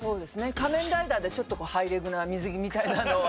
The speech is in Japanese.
『仮面ライダー』でちょっとハイレグな水着みたいなのは。